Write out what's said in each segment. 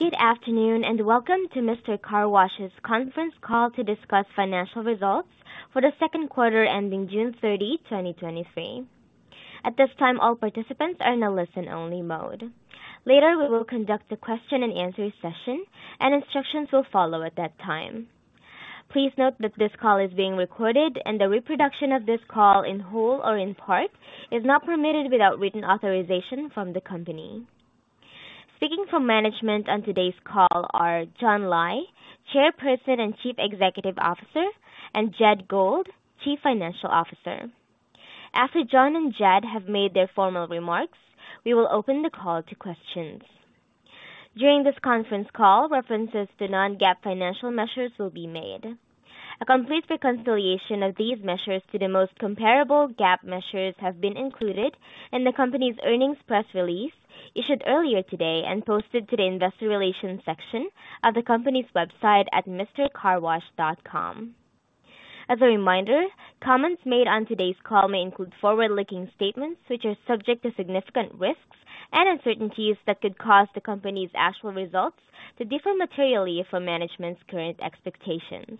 Good afternoon, and welcome to Mister Car Wash's conference call to discuss financial results for the second quarter ending June 30, 2023. At this time, all participants are in a listen-only mode. Later, we will conduct a question-and-answer session, and instructions will follow at that time. Please note that this call is being recorded, and the reproduction of this call in whole or in part is not permitted without written authorization from the company. Speaking from management on today's call are John Lai, Chairperson and Chief Executive Officer, and Jed Gold, Chief Financial Officer. After John and Jed have made their formal remarks, we will open the call to questions. During this conference call, references to non-GAAP financial measures will be made. A complete reconciliation of these measures to the most comparable GAAP measures have been included in the company's earnings press release, issued earlier today and posted to the investor relations section of the company's website at mistercarwash.com. As a reminder, comments made on today's call may include forward-looking statements, which are subject to significant risks and uncertainties that could cause the company's actual results to differ materially from management's current expectations.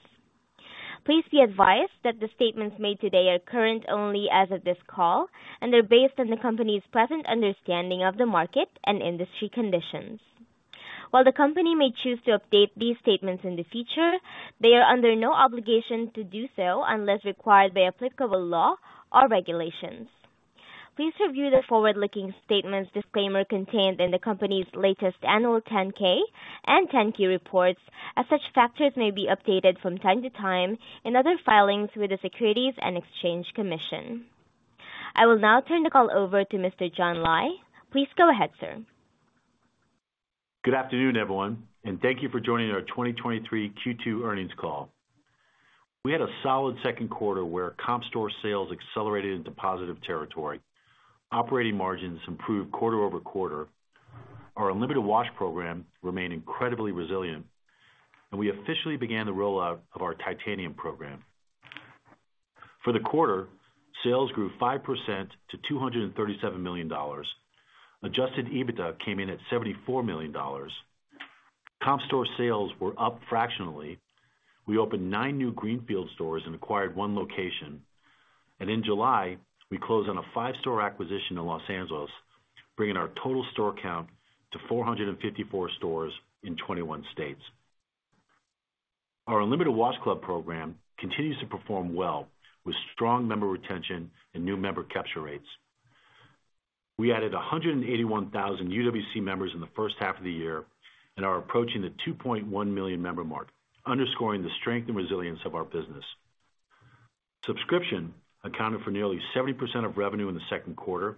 Please be advised that the statements made today are current only as of this call, and they're based on the company's present understanding of the market and industry conditions. While the company may choose to update these statements in the future, they are under no obligation to do so unless required by applicable law or regulations. Please review the forward-looking statements disclaimer contained in the company's latest annual 10-K and 10-Q reports, as such factors may be updated from time to time in other filings with the Securities and Exchange Commission. I will now turn the call over to Mr. John Lai. Please go ahead, sir. Good afternoon, everyone, and thank you for joining our 2023 Q2 earnings call. We had a solid second quarter where comp store sales accelerated into positive territory. Operating margins improved quarter-over-quarter. Our Unlimited Wash Club program remained incredibly resilient, and we officially began the rollout of our Titanium program. For the quarter, sales grew 5% to $237 million. Adjusted EBITDA came in at $74 million. Comp store sales were up fractionally. We opened 9 new greenfield stores and acquired one location, and in July, we closed on a 5-store acquisition in Los Angeles, bringing our total store count to 454 stores in 21 states. Our Unlimited Wash Club program continues to perform well, with strong member retention and new member capture rates. We added 181,000 UWC members in the first half of the year and are approaching the 2.1 million member mark, underscoring the strength and resilience of our business. Subscription accounted for nearly 70% of revenue in the second quarter,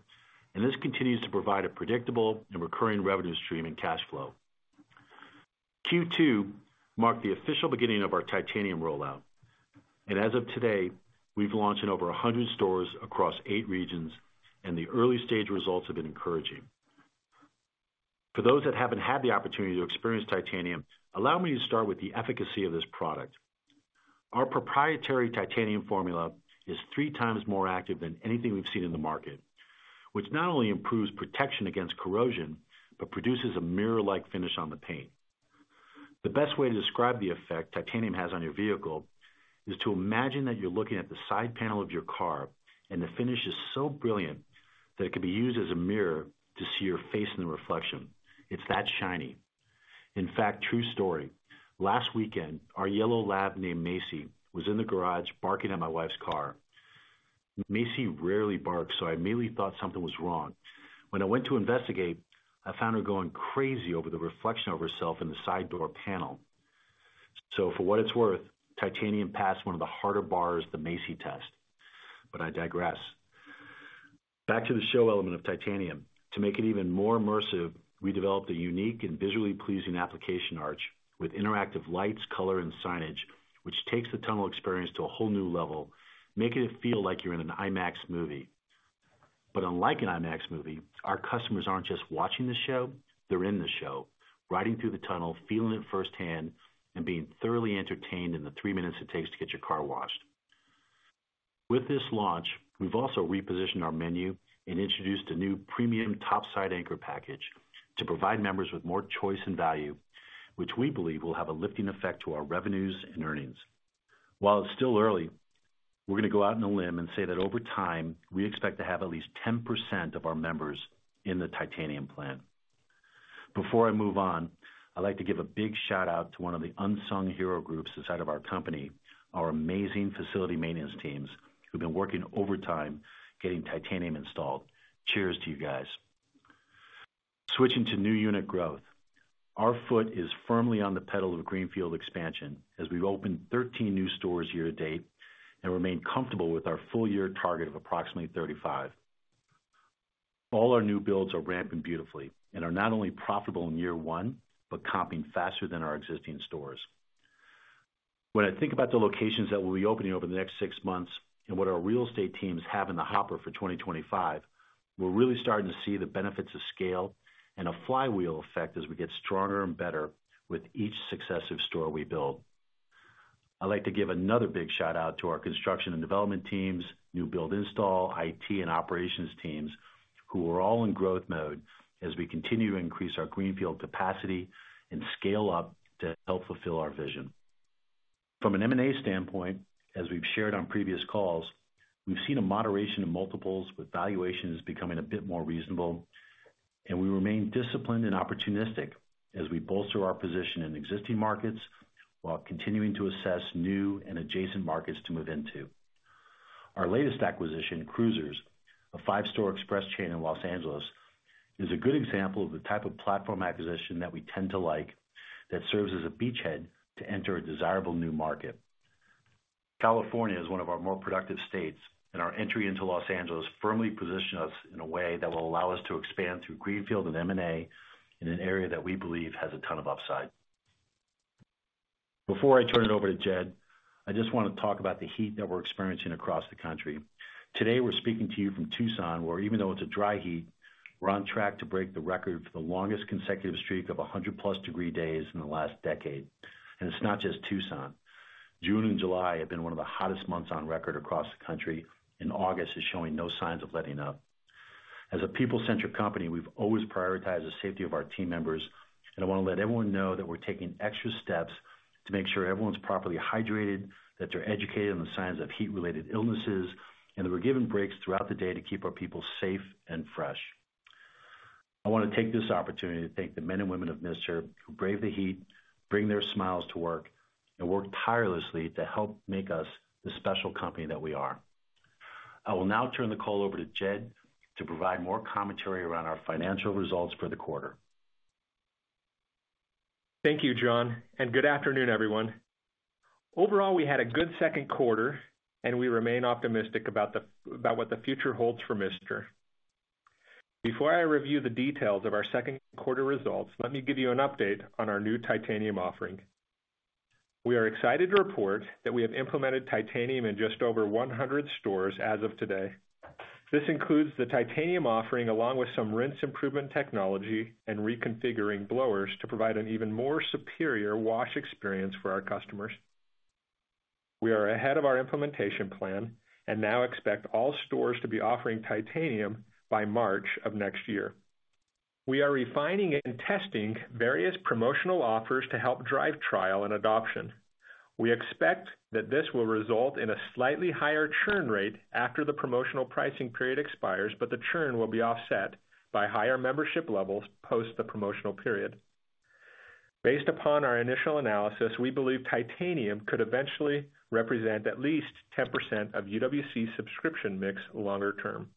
and this continues to provide a predictable and recurring revenue stream and cash flow. Q2 marked the official beginning of our Titanium rollout, and as of today, we've launched in over 100 stores across 8 regions, and the early-stage results have been encouraging. For those that haven't had the opportunity to experience Titanium, allow me to start with the efficacy of this product. Our proprietary Titanium formula is three times more active than anything we've seen in the market, which not only improves protection against corrosion, but produces a mirror-like finish on the paint. The best way to describe the effect Titanium has on your vehicle is to imagine that you're looking at the side panel of your car, and the finish is so brilliant that it could be used as a mirror to see your face in the reflection. It's that shiny. In fact, true story: Last weekend, our yellow lab named Macy was in the garage barking at my wife's car. Macy rarely barks, so I immediately thought something was wrong. When I went to investigate, I found her going crazy over the reflection of herself in the side door panel. For what it's worth, Titanium passed one of the harder bars, the Macy test. I digress. Back to the show element of Titanium. To make it even more immersive, we developed a unique and visually pleasing application arch with interactive lights, color, and signage, which takes the tunnel experience to a whole new level, making it feel like you're in an IMAX movie. Unlike an IMAX movie, our customers aren't just watching the show, they're in the show, riding through the tunnel, feeling it firsthand, and being thoroughly entertained in the three minutes it takes to get your car washed. With this launch, we've also repositioned our menu and introduced a new premium top side anchor package to provide members with more choice and value, which we believe will have a lifting effect to our revenues and earnings. While it's still early, we're gonna go out on a limb and say that over time, we expect to have at least 10% of our members in the Titanium plan. Before I move on, I'd like to give a big shout-out to one of the unsung hero groups inside of our company, our amazing facility maintenance teams, who've been working overtime, getting Titanium installed. Cheers to you guys! Switching to new unit growth. Our foot is firmly on the pedal of greenfield expansion as we've opened 13 new stores year to date and remain comfortable with our full-year target of approximately 35. All our new builds are ramping beautifully and are not only profitable in year one, but comping faster than our existing stores. When I think about the locations that we'll be opening over the next six months and what our real estate teams have in the hopper for 2025, we're really starting to see the benefits of scale and a flywheel effect as we get stronger and better with each successive store we build. I'd like to give another big shout-out to our construction and development teams, new build install, IT, and operations teams, who are all in growth mode as we continue to increase our greenfield capacity and scale up to help fulfill our vision. From an M&A standpoint, as we've shared on previous calls, we've seen a moderation in multiples, with valuations becoming a bit more reasonable, and we remain disciplined and opportunistic as we bolster our position in existing markets while continuing to assess new and adjacent markets to move into. Our latest acquisition, Cruisers, a five-store express chain in Los Angeles, is a good example of the type of platform acquisition that we tend to like that serves as a beachhead to enter a desirable new market. California is one of our more productive states, and our entry into Los Angeles firmly positions us in a way that will allow us to expand through greenfield and M&A in an area that we believe has a ton of upside. Before I turn it over to Jed, I just wanna talk about the heat that we're experiencing across the country. Today, we're speaking to you from Tucson, where even though it's a dry heat, we're on track to break the record for the longest consecutive streak of 100-plus degree days in the last decade. It's not just Tucson. June and July have been one of the hottest months on record across the country, and August is showing no signs of letting up. As a people-centric company, we've always prioritized the safety of our team members, and I wanna let everyone know that we're taking extra steps to make sure everyone's properly hydrated, that they're educated on the signs of heat-related illnesses, and that we're giving breaks throughout the day to keep our people safe and fresh. I wanna take this opportunity to thank the men and women of Mister who brave the heat, bring their smiles to work, and work tirelessly to help make us the special company that we are. I will now turn the call over to Jed to provide more commentary around our financial results for the quarter. Thank you, John. Good afternoon, everyone. Overall, we had a good second quarter, and we remain optimistic about what the future holds for Mister. Before I review the details of our second quarter results, let me give you an update on our new Titanium offering. We are excited to report that we have implemented Titanium in just over 100 stores as of today. This includes the Titanium offering, along with some rinse improvement technology and reconfiguring blowers to provide an even more superior wash experience for our customers. We are ahead of our implementation plan and now expect all stores to be offering Titanium by March of next year. We are refining and testing various promotional offers to help drive trial and adoption. We expect that this will result in a slightly higher churn rate after the promotional pricing period expires, but the churn will be offset by higher membership levels post the promotional period. Based upon our initial analysis, we believe Titanium could eventually represent at least 10% of UWC's subscription mix longer term.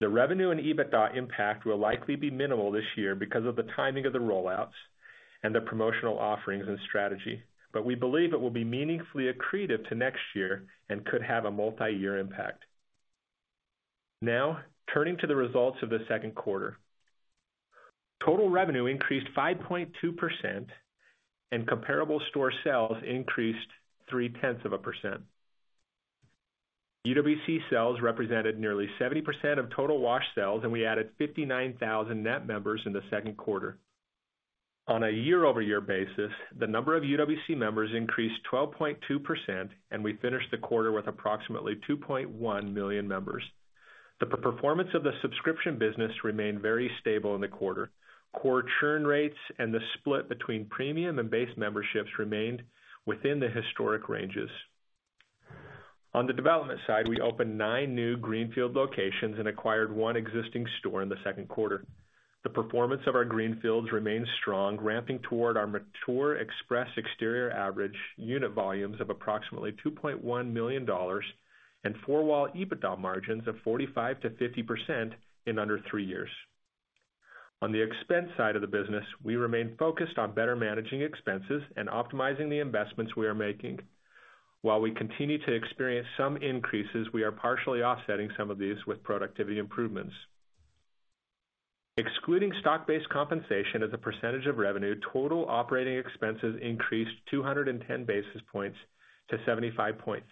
The revenue and EBITDA impact will likely be minimal this year because of the timing of the rollouts and the promotional offerings and strategy, but we believe it will be meaningfully accretive to next year and could have a multiyear impact. Now, turning to the results of the second quarter. Total revenue increased 5.2%, and comparable store sales increased 0.3%. UWC sales represented nearly 70% of total wash sales, and we added 59,000 net members in the second quarter. On a year-over-year basis, the number of UWC members increased 12.2%. We finished the quarter with approximately 2.1 million members. The performance of the subscription business remained very stable in the quarter. Core churn rates and the split between premium and base memberships remained within the historic ranges. On the development side, we opened 9 new greenfield locations and acquired one existing store in the second quarter. The performance of our greenfields remains strong, ramping toward our mature Express Exterior average unit volumes of approximately $2.1 million and four-wall EBITDA margins of 45%-50% in under three years. On the expense side of the business, we remain focused on better managing expenses and optimizing the investments we are making. While we continue to experience some increases, we are partially offsetting some of these with productivity improvements. Excluding stock-based compensation as a percentage of revenue, total operating expenses increased 210 basis points to 75.3%.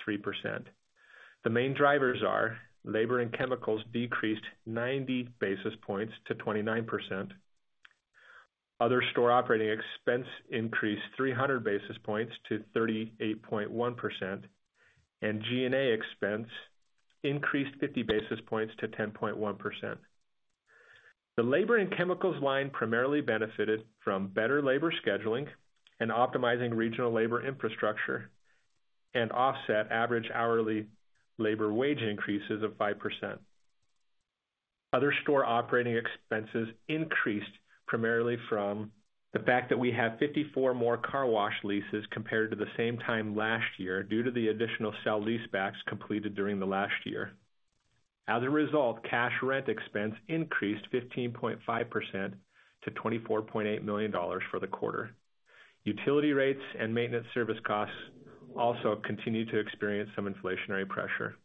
The main drivers are: labor and chemicals decreased 90 basis points to 29%, other store operating expense increased 300 basis points to 38.1%, and G&A expense increased 50 basis points to 10.1%. The labor and chemicals line primarily benefited from better labor scheduling and optimizing regional labor infrastructure and offset average hourly labor wage increases of 5%. Other store operating expenses increased primarily from the fact that we have 54 more car wash leases compared to the same time last year, due to the additional sale-leasebacks completed during the last year. As a result, cash rent expense increased 15.5% to $24.8 million for the quarter. Utility rates and maintenance service costs also continued to experience some inflationary pressure.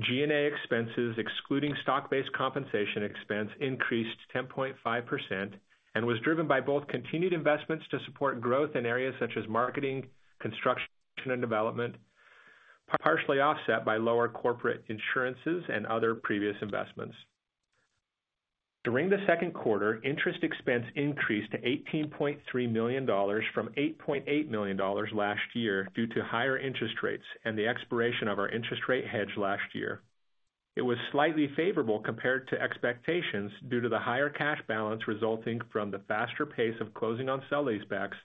G&A expenses, excluding stock-based compensation expense, increased 10.5% and was driven by both continued investments to support growth in areas such as marketing, construction, and development, partially offset by lower corporate insurances and other previous investments. During the second quarter, interest expense increased to $18.3 million from $8.8 million last year, due to higher interest rates and the expiration of our interest rate hedge last year. It was slightly favorable compared to expectations, due to the higher cash balance resulting from the faster pace of closing on sell-leasebacks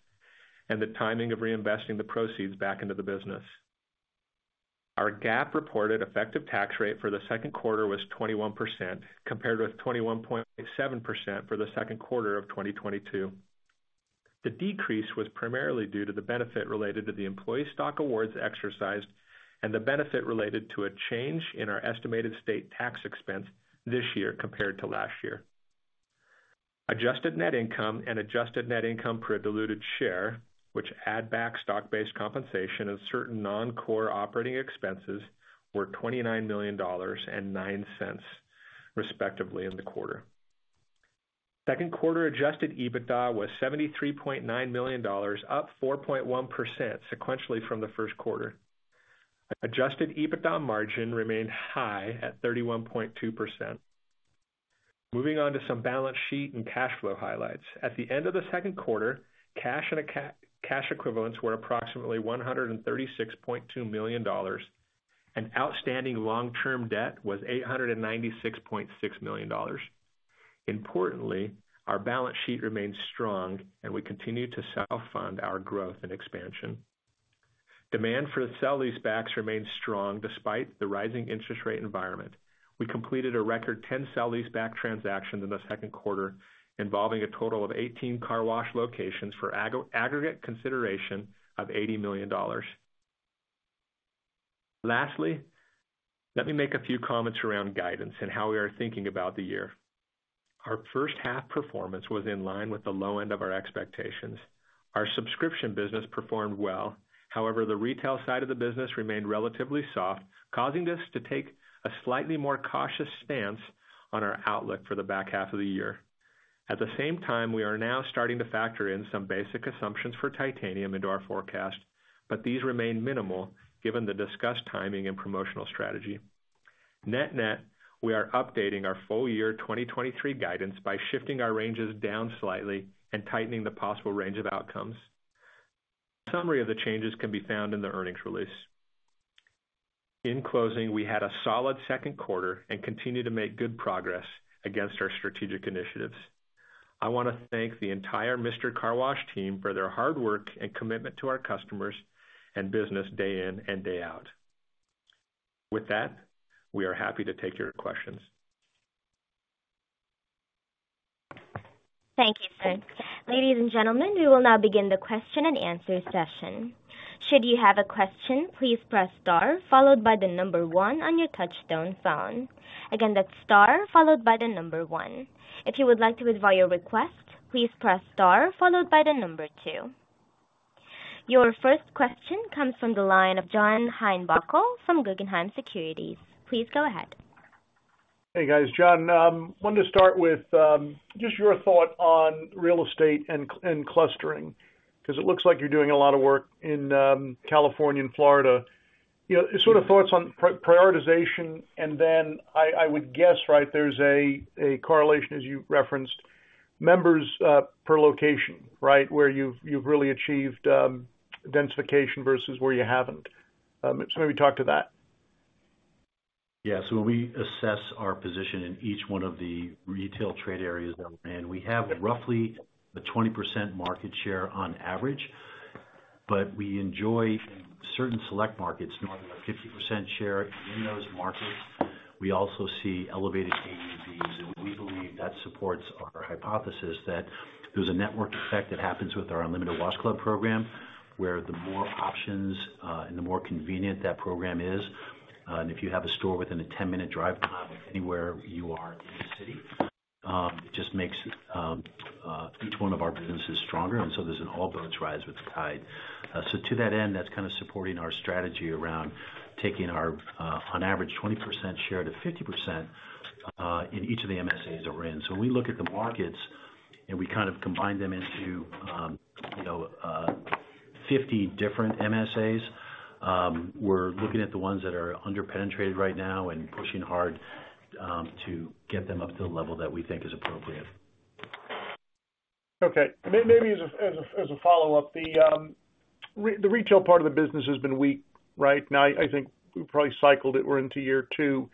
and the timing of reinvesting the proceeds back into the business. Our GAAP reported effective tax rate for the second quarter was 21%, compared with 21.7% for the second quarter of 2022. The decrease was primarily due to the benefit related to the employee stock awards exercised and the benefit related to a change in our estimated state tax expense this year compared to last year. Adjusted net income and adjusted net income per diluted share, which add back stock-based compensation and certain non-core operating expenses, were $29 million and $0.09, respectively, in the quarter. Second quarter adjusted EBITDA was $73.9 million, up 4.1% sequentially from the first quarter. Adjusted EBITDA margin remained high at 31.2%. Moving on to some balance sheet and cash flow highlights. At the end of the second quarter, cash and cash equivalents were approximately $136.2 million, and outstanding long-term debt was $896.6 million. Importantly, our balance sheet remains strong and we continue to self-fund our growth and expansion. Demand for the sale-leasebacks remains strong despite the rising interest rate environment. We completed a record 10 sale-leaseback transactions in the second quarter, involving a total of 18 car wash locations for aggregate consideration of $80 million. Lastly, let me make a few comments around guidance and how we are thinking about the year. Our first half performance was in line with the low end of our expectations. Our Subscription business performed well. However, the retail side of the business remained relatively soft, causing us to take a slightly more cautious stance on our outlook for the back half of the year. At the same time, we are now starting to factor in some basic assumptions for Titanium into our forecast, but these remain minimal given the discussed timing and promotional strategy. Net-net, we are updating our full-year 2023 guidance by shifting our ranges down slightly and tightening the possible range of outcomes. Summary of the changes can be found in the earnings release. In closing, we had a solid second quarter and continue to make good progress against our strategic initiatives. I want to thank the entire Mister Car Wash team for their hard work and commitment to our customers and business, day in and day out. With that, we are happy to take your questions. Thank you, sir. Ladies and gentlemen, we will now begin the question and answer session. Should you have a question, please press star followed by the number one on your touchtone phone. Again, that's star followed by the number one. If you would like to withdraw your request, please press star followed by the number two. Your first question comes from the line of John Heinbockel from Guggenheim Securities. Please go ahead. Hey, guys, John, wanted to start with just your thought on real estate and clustering, because it looks like you're doing a lot of work in California and Florida. sort of thoughts on prioritization, and then I would guess, right, there's a correlation as you referenced, members per location, right? Where you've really achieved densification versus where you haven't. Maybe talk to that. Yeah, when we assess our position in each one of the retail trade areas that we're in, we have roughly a 20% market share on average, but we enjoy certain select markets, more than a 50% share. In those markets, we also see elevated AUVs, and we believe that supports our hypothesis that there's a network effect that happens with our Unlimited Wash Club program, where the more options, and the more convenient that program is, and if you have a store within a 10-minute drive time of anywhere you are in the city, it just makes each one of our businesses stronger, and so there's an all boats rise with the tide. To that end, that's kind of supporting our strategy around taking our, on average, 20% share to 50% in each of the MSAs that we're in. When we look at the markets and we kind of combine them into, you know, 50 different MSAs, we're looking at the ones that are under-penetrated right now and pushing hard to get them up to the level that we think is appropriate. Okay, maybe as a follow-up, the retail part of the business has been weak right now. I think we probably cycled it. We're into year two.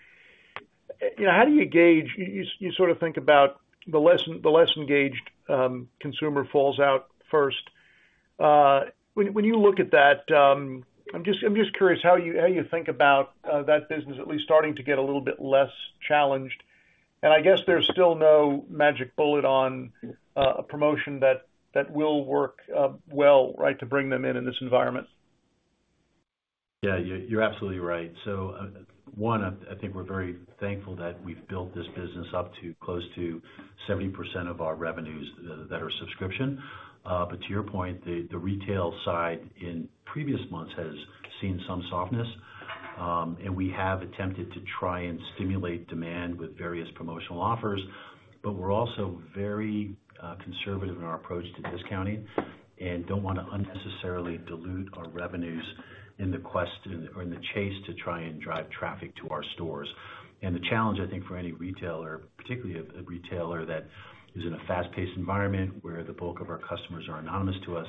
You know, how do you gauge? You sort of think about the less engaged consumer falls out first. When you look at that, I'm just curious how you think about that business at least starting to get a little bit less challenged? I guess there's still no magic bullet on a promotion that will work well, right, to bring them in, in this environment. Yeah, you're, you're absolutely right. One, I, I think we're very thankful that we've built this business up to close to 70% of our revenues that are subscription. To your point, the, the retail side in previous months has seen some softness. We have attempted to try and stimulate demand with various promotional offers. We're also very conservative in our approach to discounting, and don't wanna unnecessarily dilute our revenues in the quest or in the chase to try and drive traffic to our stores. The challenge, I think, for any retailer, particularly a retailer that is in a fast-paced environment where the bulk of our customers are anonymous to us,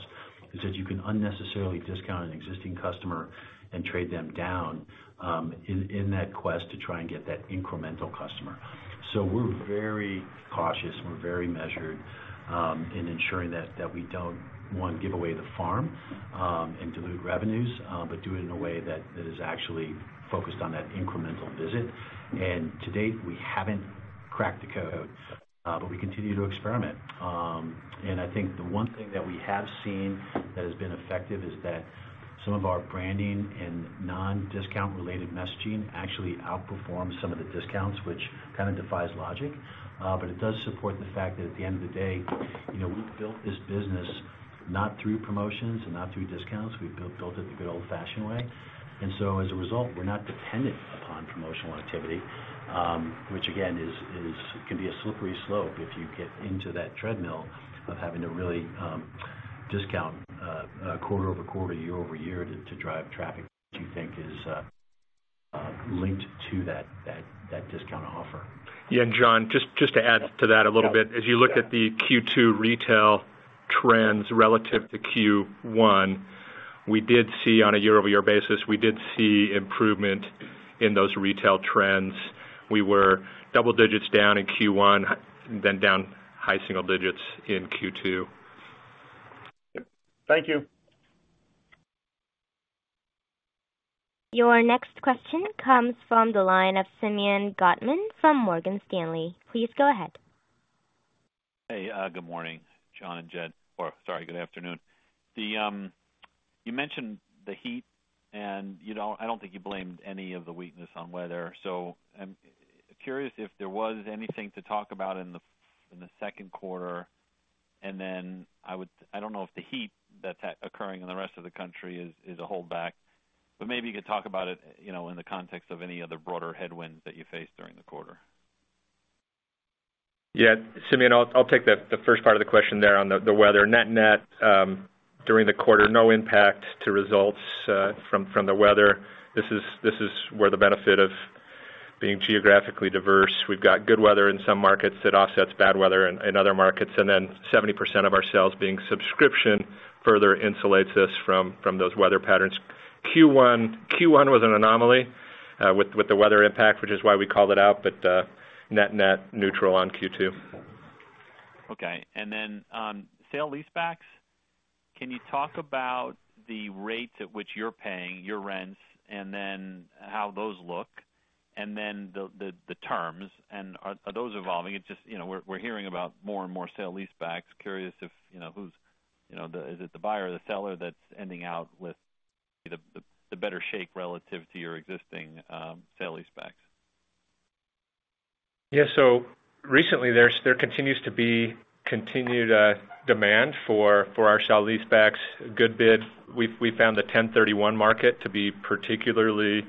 is that you can unnecessarily discount an existing customer and trade them down in that quest to try and get that incremental customer. We're very cautious, and we're very measured in ensuring that we don't, one, give away the farm and dilute revenues, but do it in a way that is actually focused on that incremental visit. To date, we haven't cracked the code, but we continue to experiment. I think the one thing that we have seen that has been effective is that some of our branding and non-discount related messaging actually outperforms some of the discounts, which kind of defies logic. It does support the fact that at the end of the day, you know, we've built this business not through promotions and not through discounts. We've built it the good old-fashioned way. As a result, we're not dependent upon promotional activity, which again, is, can be a slippery slope if you get into that treadmill of having to really, discount, quarter-over-quarter, year-over-year to, to drive traffic, which you think is, linked to that, that, that discount offer. Yeah, John, just to add to that a little bit. Yeah. As you look at the Q2 retail trends relative to Q1, we did see on a year-over-year basis, we did see improvement in those retail trends. We were double digits down in Q1, then down high single digits in Q2. Thank you. Your next question comes from the line of Simeon Gutman from Morgan Stanley. Please go ahead. Hey, good morning, John and Jed. Sorry, good afternoon. You mentioned the heat, and I don't think you blamed any of the weakness on weather. I'm curious if there was anything to talk about in the second quarter, and then I don't know if the heat that's occurring in the rest of the country is a holdback, but maybe you could talk about it, you know, in the context of any other broader headwinds that you faced during the quarter. Yeah, Simeon, I'll take the first part of the question there on the weather. Net net, during the quarter, no impact to results from the weather. This is where the benefit of being geographically diverse. We've got good weather in some markets that offsets bad weather in other markets. 70% of our sales being subscription further insulates us from those weather patterns. Q1 was an anomaly with the weather impact, which is why we called it out, but net net neutral on Q2. Okay. Then, sale-leasebacks, can you talk about the rates at which you're paying your rents and then how those look, and then the, the, the terms, and are, are those evolving? It's just, you know, we're, we're hearing about more and more sale-leasebacks. Curious if, you know, who's... You know, the, is it the buyer or the seller that's ending out with the, the, the better shape relative to your existing, sale-leasebacks? Yeah, recently, there's, there continues to be continued demand for, for our sale-leasebacks. A good bid. We've, we found the 1031 market to be particularly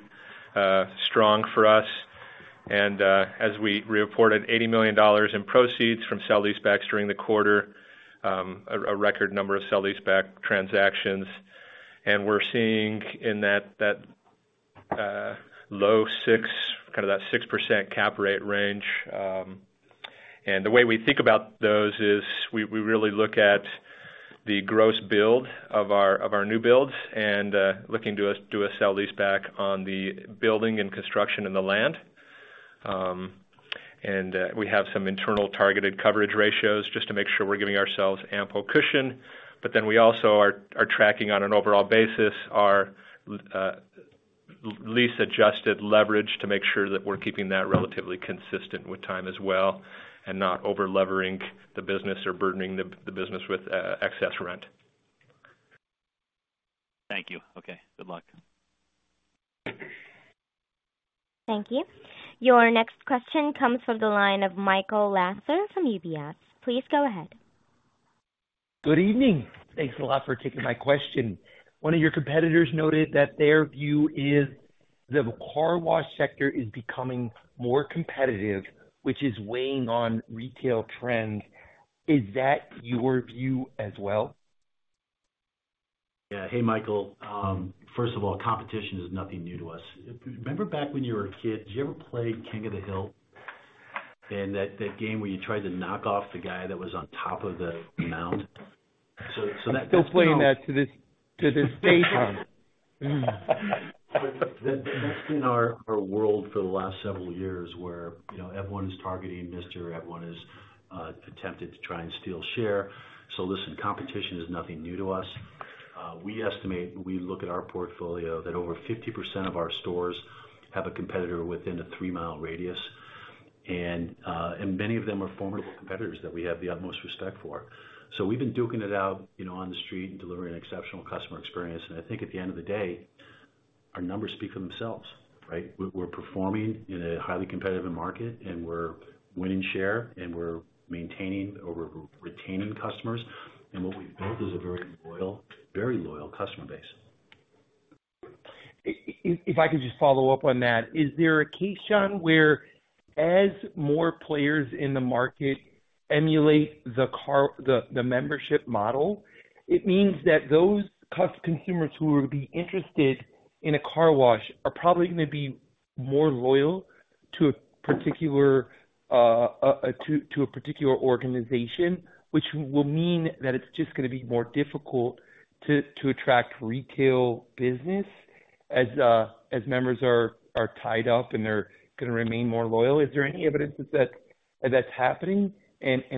strong for us. As we reported, $80 million in proceeds from sale-leasebacks during the quarter, a record number of sale-leaseback transactions. We're seeing in that, that low 6, kind of that 6% cap rate range. The way we think about those is we, we really look at the gross build of our, of our new builds and looking to do a sale-leaseback on the building and construction in the land. We have some internal targeted coverage ratios just to make sure we're giving ourselves ample cushion. Then we also are tracking on an overall basis, our lease adjusted leverage to make sure that we're keeping that relatively consistent with time as well, and not over-leveraging the business or burdening the business with excess rent. Thank you. Okay, good luck. Thank you. Your next question comes from the line of Michael Lasser from UBS. Please go ahead. Good evening. Thanks a lot for taking my question. One of your competitors noted that their view is the car wash sector is becoming more competitive, which is weighing on retail trends. Is that your view as well? Hey, Michael, first of all, competition is nothing new to us. Remember back when you were a kid, did you ever play King of the Hill? That, that game where you tried to knock off the guy that was on top of the mound? That- Explaining that to this, to this stage. That's been our, our world for the last several years, where, you know, everyone is targeting Mister, everyone is attempted to try and steal share. Listen, competition is nothing new to us. We estimate, we look at our portfolio, that over 50% of our stores have a competitor within a 3-mile radius. Many of them are formidable competitors that we have the utmost respect for. We've been duking it out, you know, on the street and delivering an exceptional customer experience. I think at the end of the day, our numbers speak for themselves, right? We're, we're performing in a highly competitive market, and we're winning share, and we're maintaining or retaining customers. What we've built is a very loyal, very loyal customer base. If I could just follow up on that, is there a case, John, where as more players in the market emulate the membership model, it means that those consumers who would be interested in a car wash are probably gonna be more loyal to a particular organization, which will mean that it's just gonna be more difficult to attract retail business as members are tied up, and they're gonna remain more loyal. Is there any evidence that that's happening?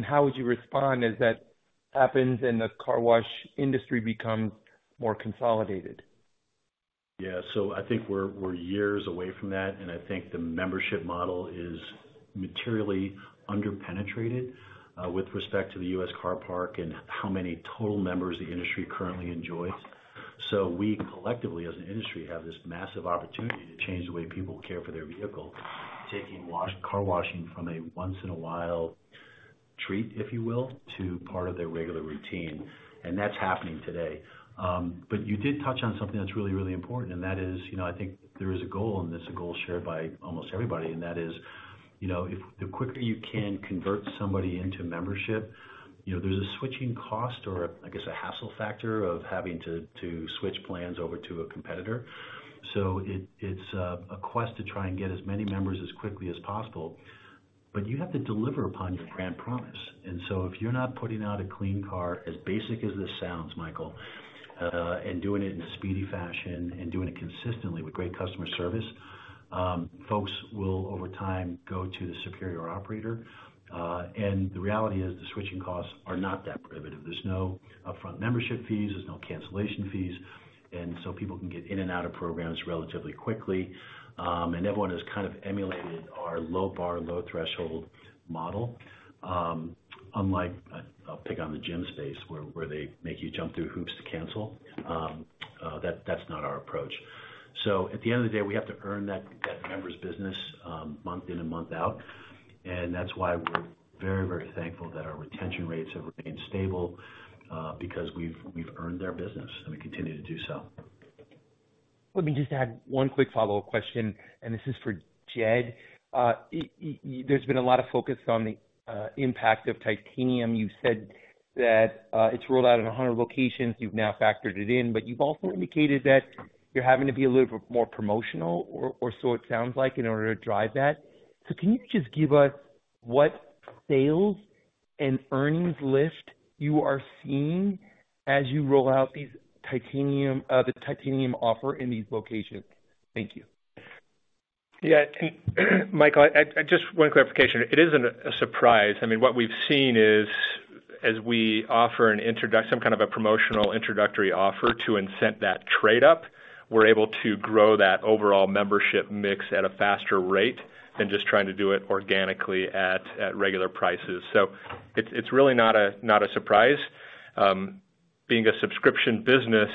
How would you respond as that happens and the car wash industry becomes more consolidated? Yeah. I think we're, we're years away from that, and I think the membership model is materially underpenetrated with respect to the U.S. car park and how many total members the industry currently enjoys. We collectively, as an industry, have this massive opportunity to change the way people care for their vehicle, taking wash-- car washing from a once-in-a-while treat, if you will, to part of their regular routine. That's happening today. You did touch on something that's really, really important, and that is, you know, I think there is a goal, and this is a goal shared by almost everybody, and that is, you know, if the quicker you can convert somebody into membership, you know, there's a switching cost or, I guess, a hassle factor of having to, to switch plans over to a competitor. It, it's a quest to try and get as many members as quickly as possible. You have to deliver upon your brand promise. So if you're not putting out a clean car, as basic as this sounds, Michael, and doing it in a speedy fashion and doing it consistently with great customer service, folks will, over time, go to the superior operator. The reality is, the switching costs are not that prohibitive. There's no upfront membership fees, there's no cancellation fees, and so people can get in and out of programs relatively quickly. Everyone has kind of emulated our low bar, low-threshold model, unlike I'll pick on the gym space, where, where they make you jump through hoops to cancel. That's not our approach. At the end of the day, we have to earn that, that member's business, month in and month out, and that's why we're very, very thankful that our retention rates have remained stable, because we've, we've earned their business, and we continue to do so. Let me just add one quick follow-up question, and this is for Jed. There's been a lot of focus on the impact of Titanium. You've said that it's rolled out in 100 locations. You've now factored it in, but you've also indicated that you're having to be a little bit more promotional or, or so it sounds like, in order to drive that. Can you just give us what sales and earnings lift you are seeing as you roll out these Titanium, the Titanium offer in these locations? Thank you. Yeah, Michael, I, I just one clarification. It isn't a surprise. I mean, what we've seen is, as we offer some kind of a promotional introductory offer to incent that trade-up, we're able to grow that overall membership mix at a faster rate than just trying to do it organically at, at regular prices. It's, it's really not a, not a surprise. Being a subscription business,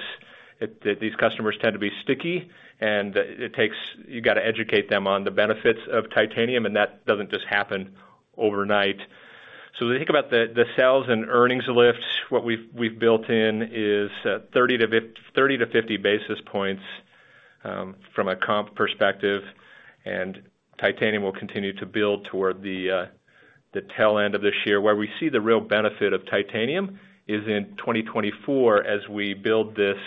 it, these customers tend to be sticky, and it takes. You gotta educate them on the benefits of Titanium, and that doesn't just happen overnight. When you think about the, the sales and earnings lift, what we've, we've built in is 30-50 basis points from a comp perspective, and Titanium will continue to build toward the tail end of this year. Where we see the real benefit of Titanium is in 2024, as we build this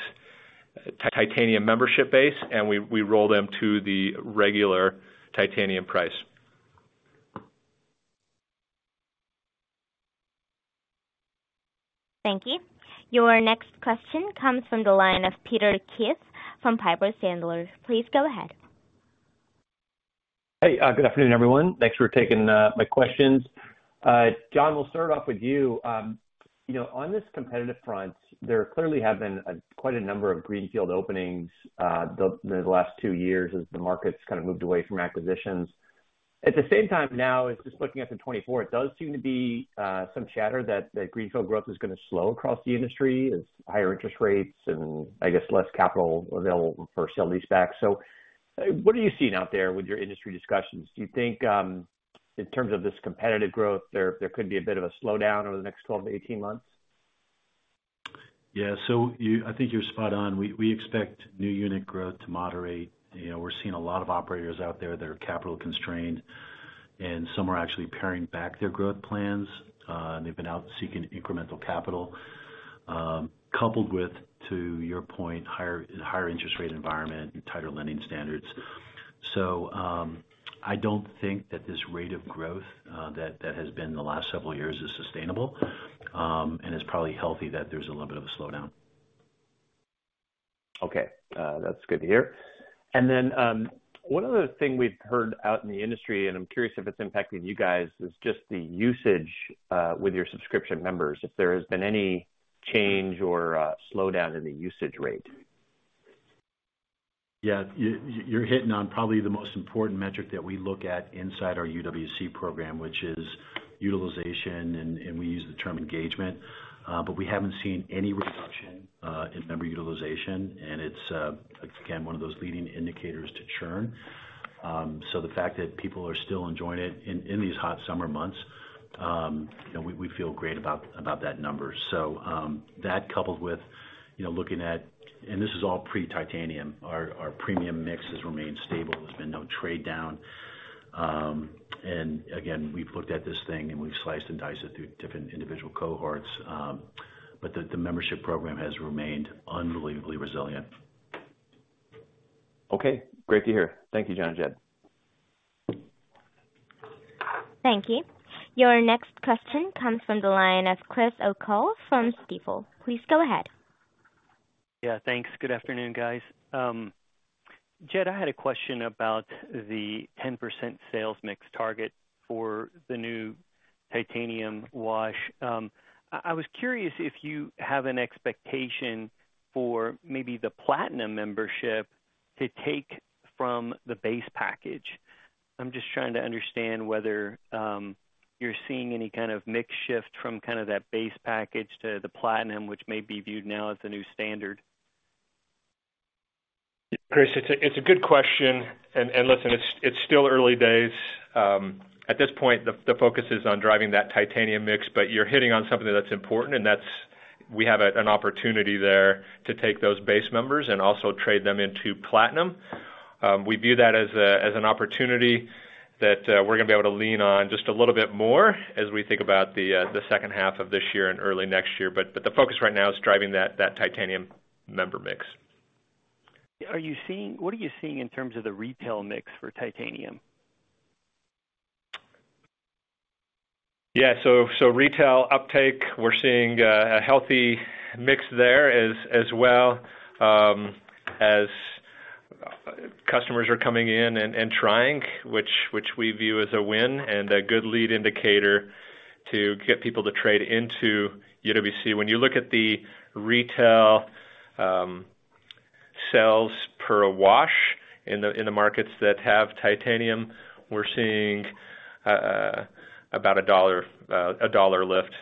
Titanium membership base, and we roll them to the regular Titanium price. Thank you. Your next question comes from the line of Peter Keith from Piper Sandler. Please go ahead. Hey, good afternoon, everyone. Thanks for taking my questions. John, we'll start off with you. You know, on this competitive front, there clearly have been a quite a number of greenfield openings, the last 2 years as the market's kind of moved away from acquisitions. At the same time now, just looking at the 2024, it does seem to be some chatter that greenfield growth is gonna slow across the industry as higher interest rates and, I guess, less capital available for sale leaseback. What are you seeing out there with your industry discussions? Do you think, in terms of this competitive growth, there could be a bit of a slowdown over the next 12-18 months? Yeah. I think you're spot on. We, we expect new unit growth to moderate. You know, we're seeing a lot of operators out there that are capital constrained, and some are actually paring back their growth plans. They've been out seeking incremental capital, coupled with, to your point, higher, higher interest rate environment and tighter lending standards. I don't think that this rate of growth, that, that has been the last several years is sustainable, and it's probably healthy that there's a little bit of a slowdown. Okay, that's good to hear. Then, one other thing we've heard out in the industry, and I'm curious if it's impacting you guys, is just the usage with your subscription members, if there has been any change or slowdown in the usage rate. Yeah, you're hitting on probably the most important metric that we look at inside our UWC program, which is utilization, and we use the term engagement. We haven't seen any reduction in member utilization, and it's again, one of those leading indicators to churn. The fact that people are still enjoying it in these hot summer months, you know, we feel great about that number. That coupled with, you know, looking at and this is all pre-Titanium. Our premium mix has remained stable. There's been no trade down. Again, we've looked at this thing, and we've sliced and diced it through different individual cohorts, but the membership program has remained unbelievably resilient. Okay, great to hear. Thank you, John and Jed. Thank you. Your next question comes from the line of Chris O'Cull from Stifel. Please go ahead. Yeah, thanks. Good afternoon, guys. Jed, I had a question about the 10% sales mix target for the new Titanium wash. I, I was curious if you have an expectation for maybe the platinum membership to take from the base package. I'm just trying to understand whether you're seeing any kind of mix shift from kind of that base package to the platinum, which may be viewed now as the new standard. Chris, it's a, it's a good question, and, and listen, it's, it's still early days. At this point, the, the focus is on driving that Titanium mix, but you're hitting on something that's important, and that's we have an, an opportunity there to take those base members and also trade them into platinum. We view that as a, as an opportunity that we're gonna be able to lean on just a little bit more as we think about the second half of this year and early next year. The focus right now is driving that, that Titanium member mix. What are you seeing in terms of the retail mix for Titanium? Yeah. Retail uptake, we're seeing a healthy mix there as, as well, as customers are coming in and, and trying, which, which we view as a win and a good lead indicator to get people to trade into UWC. When you look at the retail, sales per wash in the, in the markets that have Titanium, we're seeing about a $1, a $1 lift.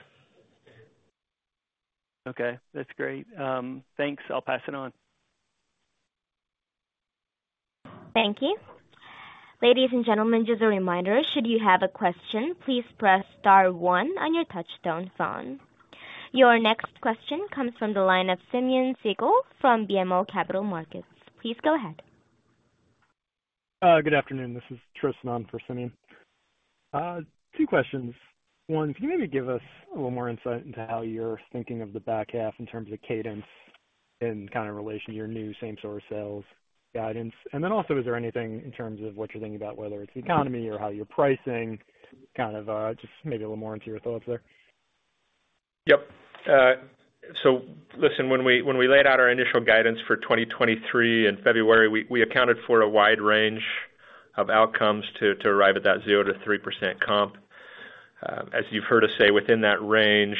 Okay, that's great. Thanks. I'll pass it on. Thank you. Ladies and gentlemen, just a reminder, should you have a question, please press star one on your touchtone phone. Your next question comes from the line of Simeon Siegel from BMO Capital Markets. Please go ahead. Good afternoon. This is Tristan on for Simeon. Two questions. One, can you maybe give us a little more insight into how you're thinking of the back half in terms of cadence and kind of in relation to your new same store sales guidance? Also, is there anything in terms of what you're thinking about, whether it's the economy or how you're pricing, kind of, just maybe a little more into your thoughts there? Yep. listen, when we laid out our initial guidance for 2023 in February, we accounted for a wide range of outcomes to arrive at that 0%-3% comp. As you've heard us say, within that range,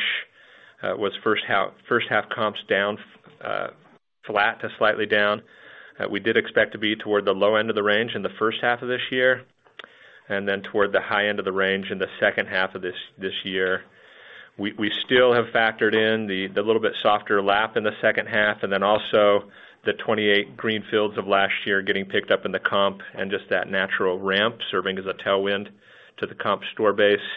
was first half comps down, flat to slightly down. We did expect to be toward the low end of the range in the first half of this year, and then toward the high end of the range in the second half of this year. We still have factored in the little bit softer lap in the second half, and then also the 28 greenfields of last year getting picked up in the comp and just that natural ramp serving as a tailwind to the comp store base.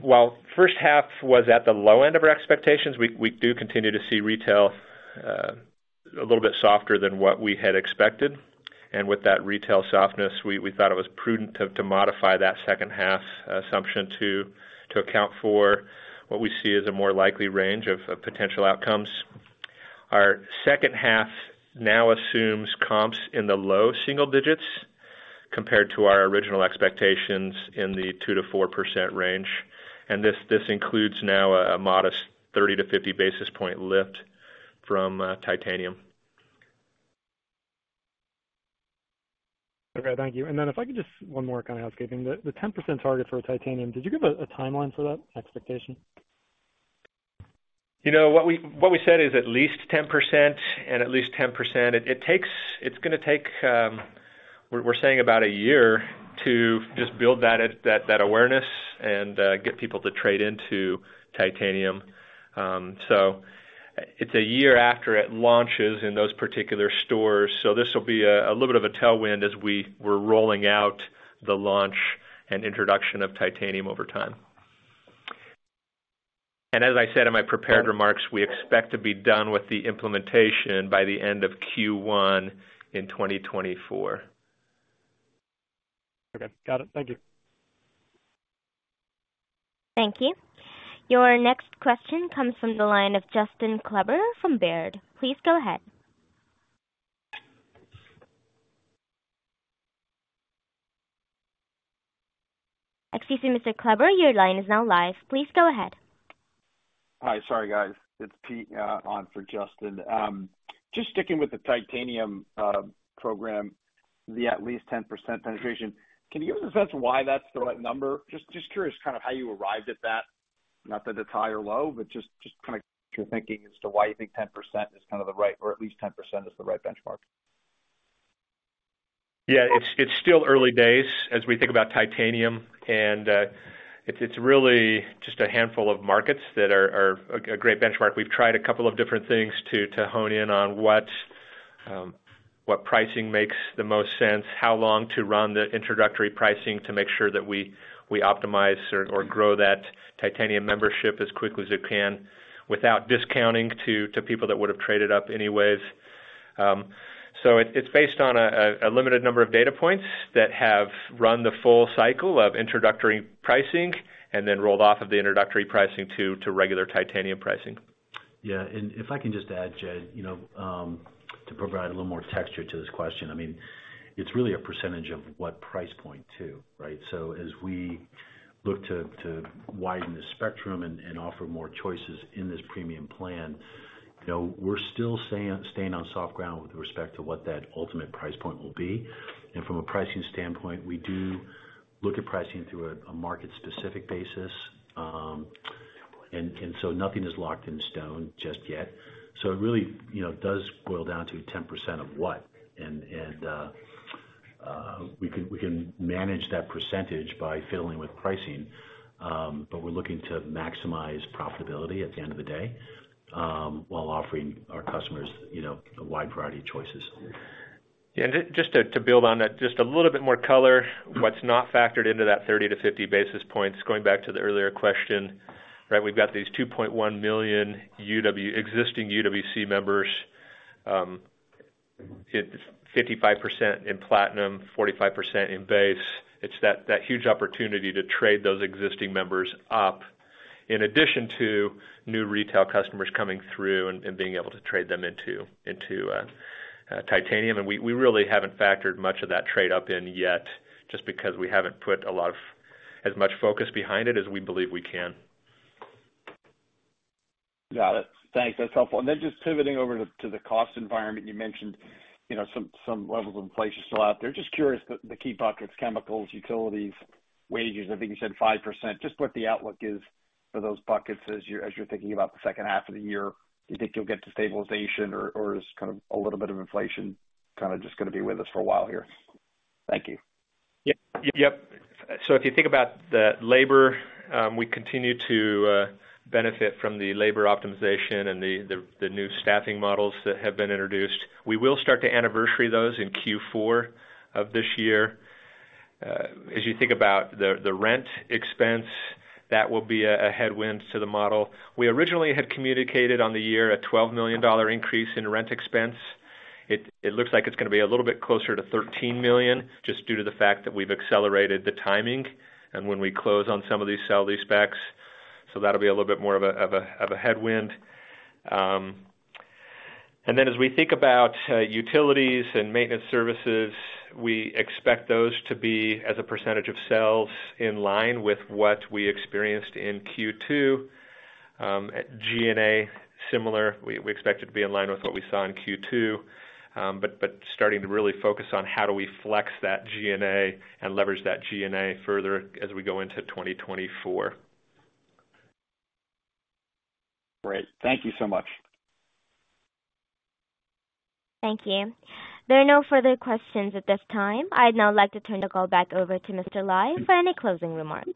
While first half was at the low end of our expectations, we, we do continue to see retail a little bit softer than what we had expected. With that retail softness, we, we thought it was prudent to, to modify that second half assumption to, to account for what we see as a more likely range of, of potential outcomes. Our second half now assumes comps in the low single digits compared to our original expectations in the 2%-4% range, and this, this includes now a modest 30-50 basis point lift from Titanium. Okay, thank you. Then if I could just one more on housekeeping. The, the 10% target for Titanium, did you give a, a timeline for that expectation? You know, what we, what we said is at least 10%, and at least 10%. It's gonna take, we're, we're saying about a year to just build that awareness and get people to trade into Titanium. It's a year after it launches in those particular stores. This will be a, a little bit of a tailwind as we're rolling out the launch and introduction of Titanium over time. As I said in my prepared remarks, we expect to be done with the implementation by the end of Q1 in 2024. Okay. Got it. Thank you. Thank you. Your next question comes from the line of Justin Kleber from Baird. Please go ahead. Excuse me, Mr. Kleber, .your line is now live. Please go ahead. Hi. Sorry, guys, it's Pete, on for Justin. .Just sticking with the Titanium program, the at least 10% penetration, can you give us a sense of why that's the right number? Just, just curious kind of how you arrived at that. Not that it's high or low, but just, just kinda your thinking as to why you think 10% is kind of the right, or at least 10% is the right benchmark. It's still early days as we think about Titanium, and it's really just a handful of markets that are a great benchmark. We've tried a couple of different things to hone in on what pricing makes the most sense, how long to run the introductory pricing to make sure that we optimize or grow that Titanium membership as quickly as we can, without discounting to people that would have traded up anyways. It's based on a limited number of data points that have run the full cycle of introductory pricing and then rolled off of the introductory pricing to regular Titanium pricing. If I can just add, Jed, to provide a little more texture to this question, I mean, it's really a percentage of what price point, too, right? As we look to, to widen the spectrum and, and offer more choices in this premium plan, you know, we're still staying on soft ground with respect to what that ultimate price point will be. From a pricing standpoint, we do look at pricing through a, a market-specific basis. Nothing is locked in stone just yet. It really, you know, does boil down to 10% of what? We can, we can manage that percentage by fiddling with pricing, but we're looking to maximize profitability at the end of the day, while offering our customers, you know, a wide variety of choices. Just to build on that, just a little bit more color. What's not factored into that 30-50 basis points, going back to the earlier question, right? We've got these 2.1 million existing UWC members, it's 55% in Platinum, 45% in Base. It's that, huge opportunity to trade those existing members up, in addition to new retail customers coming through and, and being able to trade them into, into Titanium. We, we really haven't factored much of that trade up in yet, just because we haven't put as much focus behind it as we believe we can. Got it. Thanks. That's helpful. Then just pivoting over to, to the cost environment. You mentioned some levels of inflation still out there. Just curious, the, the key buckets, chemicals, utilities, wages, I think you said 5%, just what the outlook is for those buckets as you're, as you're thinking about the second half of the year. Do you think you'll get to stabilization or, or is kind of a little bit of inflation, kind of just gonna be with us for a while here? Thank you. Yes, If you think about the labor, we continue to benefit from the labor optimization and the, the, the new staffing models that have been introduced. We will start to anniversary those in Q4 of this year. As you think about the, the rent expense, that will be a, a headwind to the model. We originally had communicated on the year a $12 million increase in rent expense. It, it looks like it's gonna be a little bit closer to $13 million, just due to the fact that we've accelerated the timing and when we close on some of these sale-leasebacks, so that'll be a little bit more of a, of a, of a headwind. Then as we think about utilities and maintenance services, we expect those to be, as a percentage of sales, in line with what we experienced in Q2. G&A, similar, we expect it to be in line with what we saw in Q2, starting to really focus on how do we flex that G&A and leverage that G&A further as we go into 2024. Great. Thank you so much. Thank you. There are no further questions at this time. I'd now like to turn the call back over to Mr. Lai for any closing remarks.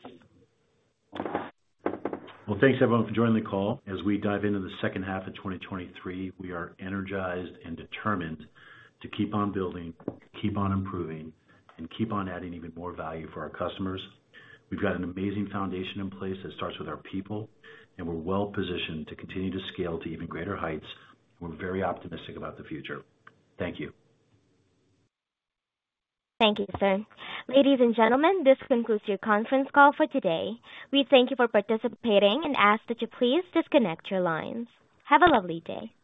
Well, thanks, everyone, for joining the call. As we dive into the second half of 2023, we are energized and determined to keep on building, keep on improving, and keep on adding even more value for our customers. We've got an amazing foundation in place that starts with our people, and we're well positioned to continue to scale to even greater heights, and we're very optimistic about the future. Thank you. Thank you, sir. Ladies and gentlemen, this concludes your conference call for today. We thank you for participating and ask that you please disconnect your lines. Have a lovely day.